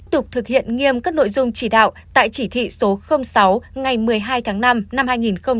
tục thực hiện nghiêm các nội dung chỉ đạo tại chỉ thị số sáu ngày một mươi hai tháng năm năm hai nghìn một mươi chín